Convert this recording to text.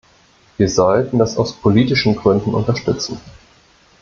Wir sollten das aus politischen Gründen unterstützen.